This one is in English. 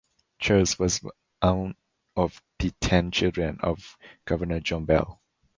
Charles was one of the ten children of Governor John Bell.